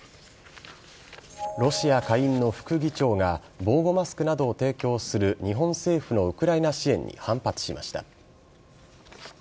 ロシア下院の副議長が防護マスクなどを提供する日本政府のウクライナ支援に反発しました。